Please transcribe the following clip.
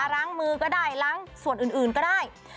ล้างมือก็ได้ล้างส่วนอื่นก็ได้